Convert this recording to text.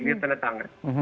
dia tanda tangan